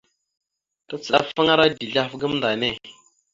Tacaɗafaŋara dezl ahaf gamənda enne.